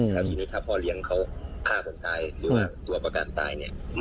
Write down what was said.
คราวนี้ถ้าพ่อเลี้ยงเขาฆ่าคนตายหรือว่าตัวประกันตาย